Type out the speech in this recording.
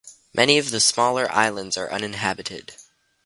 Many of the smaller islands are uninhabited.